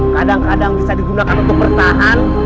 kadang kadang bisa digunakan untuk bertahan